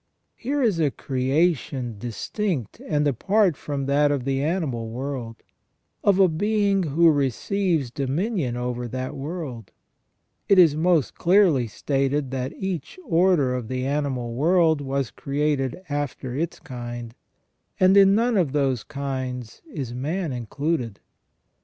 Here is a creation distinct and apart from that of the anima • Theophylact, In Lucam, c. x. 14 ON THE NATURE OF MAN world, of a being who receives dominion over that world. It is most clearly stated that each order of the animal world was created after its kind, and in none of those kinds is man included.